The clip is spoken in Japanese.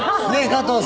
加藤さん。